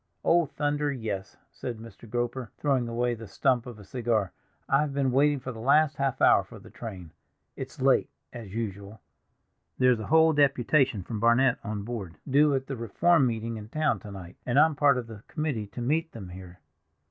"Oh, thunder, yes!" said Mr. Groper, throwing away the stump of a cigar. "I have been waiting for the last half hour for the train; it's late, as usual. There's a whole deputation from Barnet on board, due at the Reform meeting in town to night, and I'm part of the committee to meet them here."